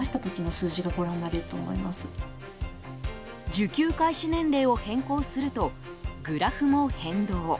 受給開始年齢を変更するとグラフも変動。